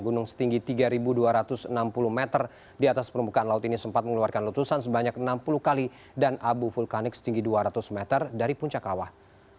gunung setinggi tiga dua ratus enam puluh meter di atas permukaan laut ini sempat mengeluarkan letusan sebanyak enam puluh kali dan abu vulkanik setinggi dua ratus meter dari puncak kawah